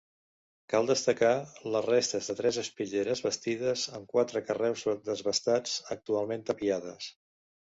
Cal destacar, les restes de tres espitlleres, bastides amb quatre carreus desbastats, actualment tapiades.